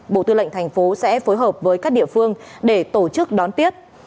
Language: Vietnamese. bộ tư lệnh thành phố sẽ phối hợp với các địa phương để tổ chức đón tiếp